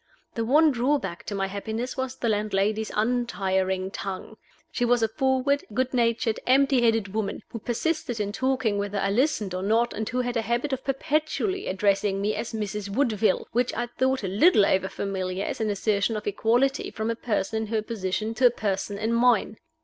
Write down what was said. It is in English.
The one drawback to my happiness was the landlady's untiring tongue. She was a forward, good natured, empty headed woman, who persisted in talking, whether I listened or not, and who had a habit of perpetually addressing me as "Mrs. Woodville," which I thought a little overfamiliar as an assertion of equality from a person in her position to a person in mine.